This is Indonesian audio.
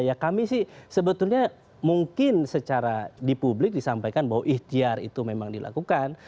ya kami sih sebetulnya mungkin secara di publik disampaikan bahwa ikhtiar itu memang dilakukan